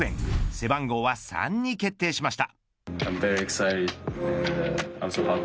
背番号は３に決定しました。